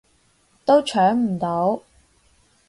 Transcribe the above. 都搶唔到